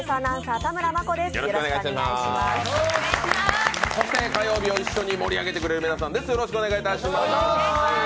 そして火曜日を一緒に盛り上げてくれる皆さんです。